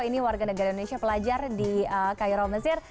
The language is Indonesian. ini warga negara indonesia pelajar di cairo mesir